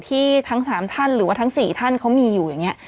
ทั้ง๓ท่านหรือว่าทั้ง๔ท่านเขามีอยู่อย่างนี้